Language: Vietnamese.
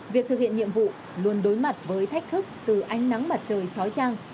việc thực hiện nhiệm vụ luôn đối mặt với thách thức từ ánh nắng mặt trời trói trang